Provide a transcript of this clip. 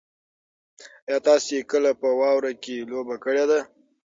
ایا تاسي کله په واوره کې لوبه کړې ده؟